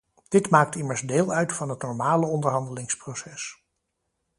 Dit maakt immers deel uit van het normale onderhandelingsproces.